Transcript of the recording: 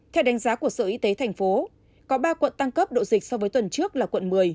theo đánh giá của sở y tế thành phố có ba quận tăng cấp độ dịch so với tuần trước là quận một mươi